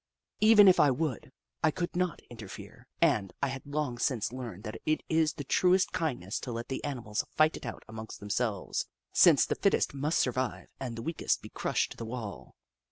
Even if I would, I could not interfere, and I had long since learned that it is the truest kindness to let the animals fight it out among themselves, since the fittest must survive and the weakest be crushed to the wall.